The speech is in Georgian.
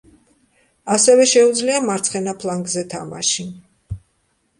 ასევე შეუძლია მარცხენა ფლანგზე თამაში.